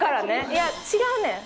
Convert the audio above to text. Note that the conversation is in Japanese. いや違うねん。